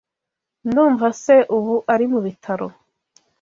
Ndumva se ubu ari mubitaro.